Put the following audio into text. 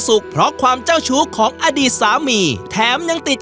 เพราะความเจ้าชู้ของอดีตสามีแถมยังติด